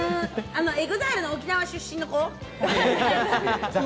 ＥＸＩＬＥの沖縄出身の子。